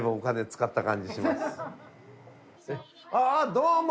どうも。